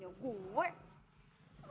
kalau tuh dia tuh bener bener somad